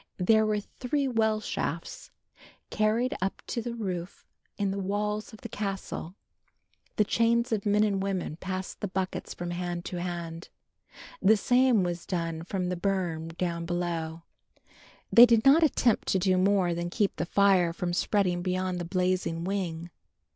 There were three well shafts, carried up to the roof in the walls of the castle; and chains of men and women passed the buckets from hand to hand. The same was done from the burn down below. They did not attempt to do more than keep the fire from spreading beyond the blazing wing.